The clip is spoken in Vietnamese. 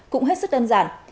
cũng hết sức đơn giản